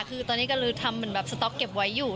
คือตอนนี้ก็เลยทำเหมือนแบบสต๊อกเก็บไว้อยู่